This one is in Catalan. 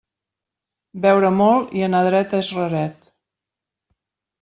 Beure molt i anar dret és raret.